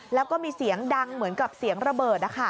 แล้วก็มีเสียงดังเหมือนกับเสียงระเบิด